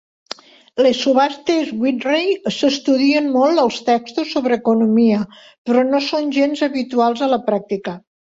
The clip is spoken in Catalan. Les subhastes Vickrey s'estudien molt als textos sobre economia, però no són gens habituals a la pràctica.